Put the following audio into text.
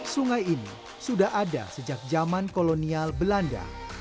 sungai ini sudah ada sejak zaman kolonial belanda